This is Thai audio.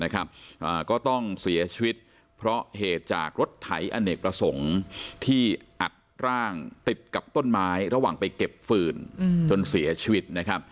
ก็ต้องเสียชีวิตเพราะเหตุจากรถไถอเนกประสงค์ที่อัดร่างติดกับต้นไม้ระหว่างไปเก็บฟืนจนเสียชีวิต